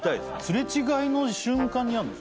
すれ違いの瞬間にやるの？